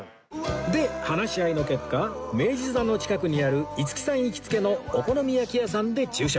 で話し合いの結果明治座の近くにある五木さん行きつけのお好み焼き屋さんで昼食